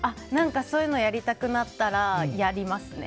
そういうのやりたくなったらやりますね。